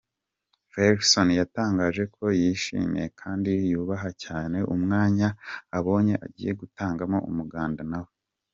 Ferguson yatangaje ko yishmiye kandi yubaha cyane umwanya abonye agiye gutangamo umuganda nawe.